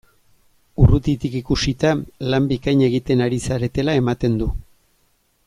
Urrutitik ikusita, lan bikaina egiten ari zaretela ematen du!